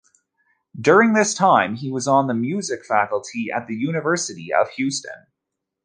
During this time he was on the music faculty at the University of Houston.